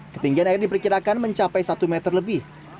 ketinggian air diperkirakan mencapai satu meter lebih